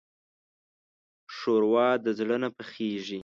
ښوروا د زړه نه پخېږي.